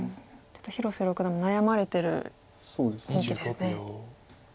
ちょっと広瀬六段も悩まれてる雰囲気ですね。